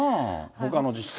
ほかの自治体。